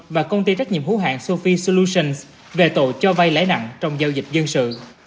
và công ty trách nhiệm hữu hạng sophie solutions về tội cho vay lãi nặng trong giao dịch dân sự